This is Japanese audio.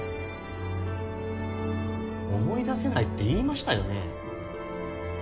思い出せないって言いましたよね。